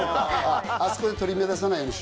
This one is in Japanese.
あそこで取り乱さないようにしよう。